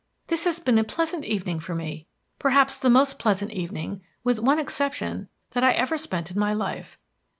"This has been a pleasant evening for me: perhaps the most pleasant evening with one exception that I ever spent in my life.